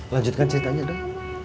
lanjutkan ceritanya dah